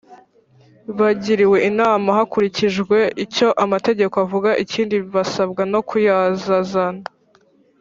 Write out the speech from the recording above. Bagiriwe inama hakurikijwe icyo amategeko avuga ikindi basabwa ko yazazana